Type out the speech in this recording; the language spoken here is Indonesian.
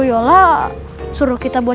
bapak bapak prabut